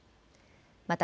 また